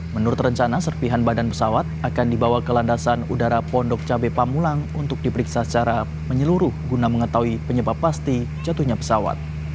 menurut rencana serpihan badan pesawat akan dibawa ke landasan udara pondok cabai pamulang untuk diperiksa secara menyeluruh guna mengetahui penyebab pasti jatuhnya pesawat